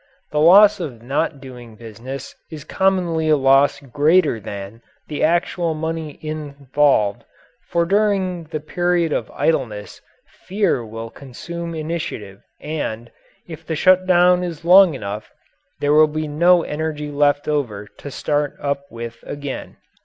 The loss of not doing business is commonly a loss greater than the actual money involved, for during the period of idleness fear will consume initiative and, if the shutdown is long enough, there will be no energy left over to start up with again.